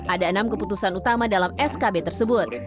ada enam keputusan utama dalam skb tersebut